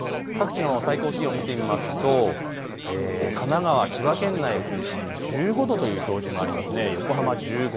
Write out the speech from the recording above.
各地の最高気温、見てみますと神奈川、千葉県内を中心に１５度という表示もありますね。